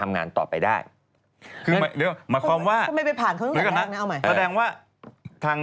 อันนั้นใครเชื้อสีขาวอ๋อสอนราม